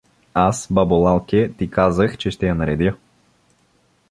— Аз, бабо Лалке, ти казах, че ще я наредя.